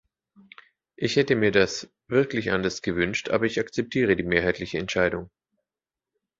Ich hätte mir das wirklich anders gewünscht, aber ich akzeptiere die mehrheitliche Entscheidung.